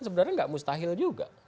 sebenarnya tidak mustahil juga